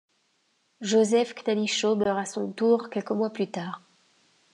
Joseph Khnanicho meurt à son tour quelques mois plus tard.